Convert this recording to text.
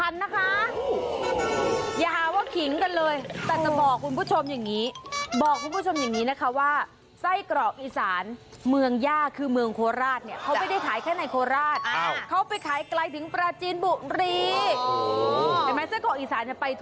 แล้วลักษณะของไส้กรอกสูตรเมืองญาติที่ร้านนี้